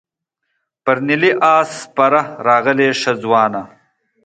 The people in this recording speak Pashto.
پر نیلي آس سپره راغلې ښه ځوانه.